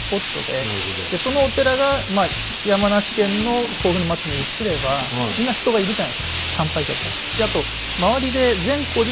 そのお寺が山梨県の甲府の町に移ればみんな人が行くじゃないですか参拝客が。